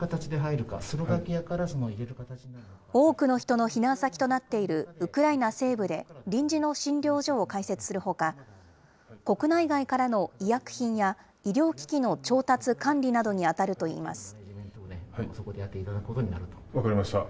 多くの人の避難先となっているウクライナ西部で、臨時の診療所を開設するほか、国内外からの医薬品や医療機器の調達、管理などに当たるといいます。